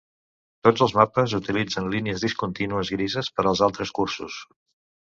Tots els mapes utilitzen línies discontínues grises per als altres cursos.